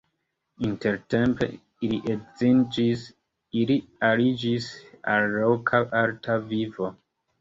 Intertempe li edziĝis, ili aliĝis al la loka arta vivo.